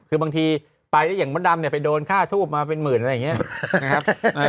คือบางทีไปแล้วอย่างมดดำเนี่ยไปโดนค่าทูบมาเป็นหมื่นอะไรอย่างนี้นะครับ